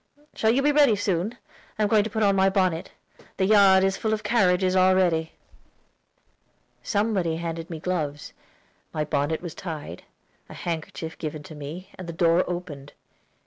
Shall you be ready soon? I am going to put on my bonnet. The yard is full of carriages already." Somebody handed me gloves; my bonnet was tied, a handkerchief given to me, and the door opened.